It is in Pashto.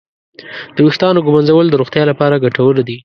د ویښتانو ږمنځول د روغتیا لپاره ګټور دي.